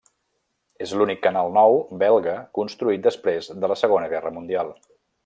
És l'únic canal nou belga construït després de la Segona Guerra Mundial.